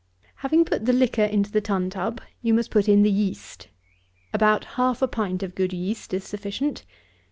Having put the liquor into the tun tub, you put in the yeast. About half a pint of good yeast is sufficient.